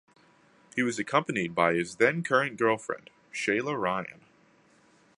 He was accompanied by his then-current girlfriend, Sheila Ryan.